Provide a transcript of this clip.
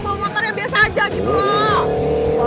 bawa motor yang biasa aja gitu loh